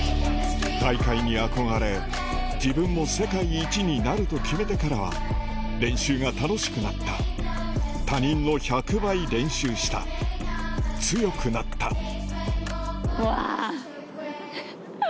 大会に憧れ自分も世界一になると決めてからは練習が楽しくなった他人の１００倍練習した強くなったうわ！